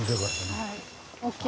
はい。